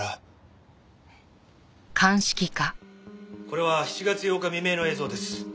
これは７月８日未明の映像です。